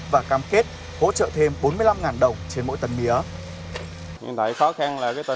và cam kết hỗ trợ thêm bốn mươi năm đồng trên mỗi tấn mía